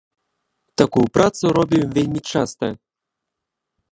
Такую працу робім вельмі часта.